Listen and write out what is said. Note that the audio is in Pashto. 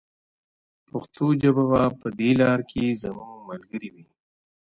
پښتو ژبه به په دې لاره کې زموږ ملګرې وي.